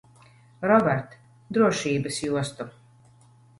Robert, drošības jostu.